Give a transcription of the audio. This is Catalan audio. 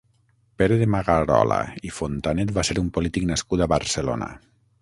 Pere de Magarola i Fontanet va ser un polític nascut a Barcelona.